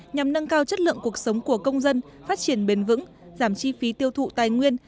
nhằm nâng cao chất lượng cuộc sống của công dân phát triển bền vững giảm chi phí tiêu thụ tài nguyên